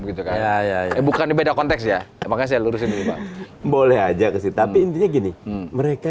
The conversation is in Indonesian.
gitu kan ya ya ya bukan beda konteks ya makanya saya lurusin boleh aja tapi intinya gini mereka